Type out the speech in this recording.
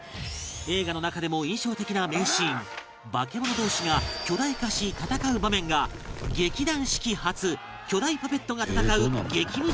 映画の中でも印象的な名シーンバケモノ同士が巨大化し戦う場面が劇団四季初巨大パペットが戦う激ムズシーンになるという